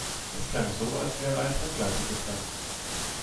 Es klang so, als wäre eine Druckleitung geplatzt.